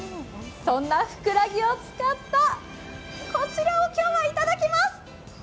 そんなフクラギを使ったこちらを今日はいただきます。